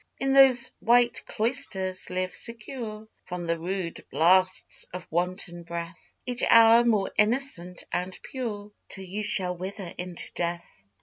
In those white Cloisters live secure From the rude blasts of wanton breath, Each hour more innocent and pure, Till you shall wither into death.